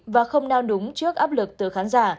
và không nao đúng trước áp lực từ khán giả